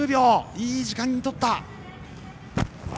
いい時間にとった。